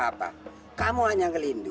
maafkan saya ratu